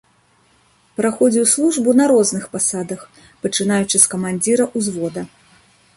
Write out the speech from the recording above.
Праходзіў службу на розных пасадах, пачынаючы з камандзіра ўзвода.